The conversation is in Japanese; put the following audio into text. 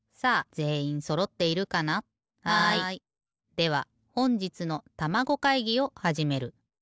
ではほんじつのたまご会議をはじめる。